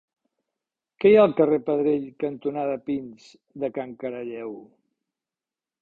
Què hi ha al carrer Pedrell cantonada Pins de Can Caralleu?